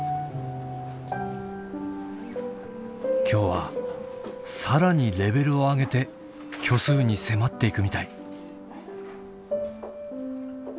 今日は更にレベルを上げて虚数に迫っていくみたい。